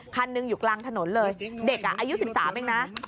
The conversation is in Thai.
คันหนึ่งอยู่กลางถนนเลยเด็กอายุ๑๓เองนะ